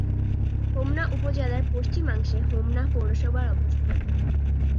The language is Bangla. হোমনা উপজেলার পশ্চিমাংশে হোমনা পৌরসভার অবস্থান।